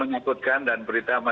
sangat mengikutkan dan beritama